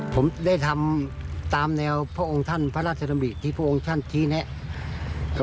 ผมได้ทำตามแนวพระองค์ท่านพระราชดำริที่พระองค์ท่านชี้แนะ